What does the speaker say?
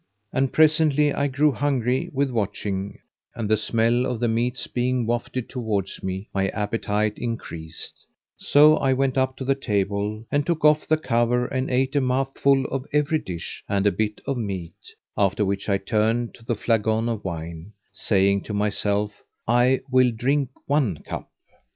And presently I grew hungry with watching and the smell of the meats being wafted towards me, my appetite increased: so I went up to the table and took off the cover and ate a mouthful of every dish and a bit of meat; after which I turned to the flagon of wine, saying to myself, I will drink one cup.